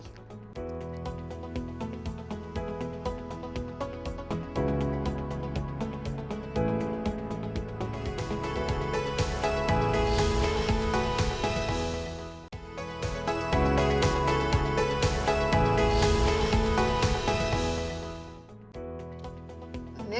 demi ke sigainya